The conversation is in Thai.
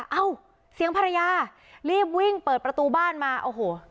เอ้าเสียงภรรยารีบวิ่งเปิดประตูบ้านมาโอ้โห